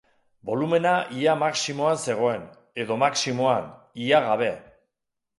Bolumena ia maximoan zegoen, edo maximoan, ia gabe.